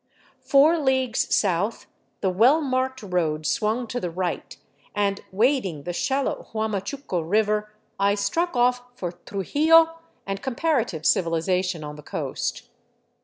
Four leagues south, the well marked road swung to the right and, wading the shallow Huamachuco river, I struck off for Trujillo and comparative civilization on the coast.